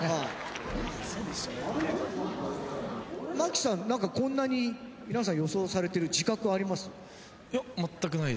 牧さん何かこんなに皆さん予想されてる自覚あります？